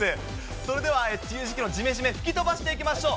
それでは梅雨時期のじめじめ、吹き飛ばしていきましょう。